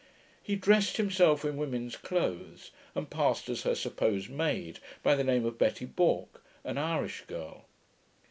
He dressed himself in women's clothes, and passed as her supposed maid, by the name of Betty Bourke, an Irish girl.